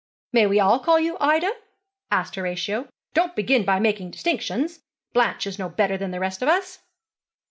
'May we all call you Ida?' asked Horatio. 'Don't begin by making distinctions. Blanche is no better than the rest of us.'